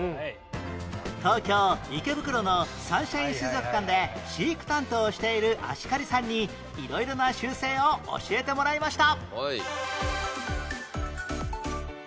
東京池袋のサンシャイン水族館で飼育担当をしている芦刈さんに色々な習性を教えてもらいました